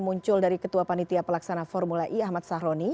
muncul dari ketua panitia pelaksana formula e ahmad sahroni